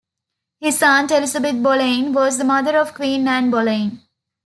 His aunt, Elizabeth Boleyn, was the mother of Queen Anne Boleyn.